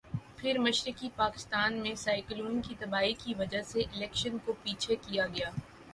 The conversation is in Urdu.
پھر مشرقی پاکستان میں سائیکلون کی تباہی کی وجہ سے الیکشن کو پیچھے کیا گیا۔